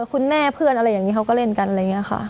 คุณแม่เพื่อนอะไรอย่างนี้เขาก็เล่นกันอะไรอย่างนี้ค่ะ